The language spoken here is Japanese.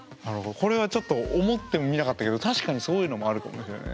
これはちょっと思ってもみなかったけど確かにそういうのもあるかもしれないね。